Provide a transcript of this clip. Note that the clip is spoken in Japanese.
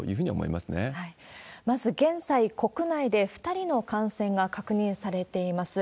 まず現在、国内で２人の感染が確認されています。